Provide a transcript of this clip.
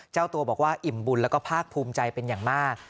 เจ้าตัวบอกว่าอิ่มบุญแล้วก็ภาคภูมิใจเป็นอย่างมาก